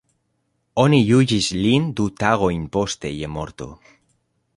Oni juĝis lin du tagojn poste je morto.